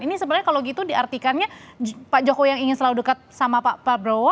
ini sebenarnya kalau gitu diartikannya pak jokowi yang ingin selalu dekat sama pak prabowo